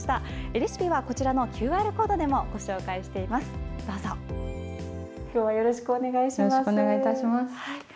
レシピはＱＲコードでもご紹介しています。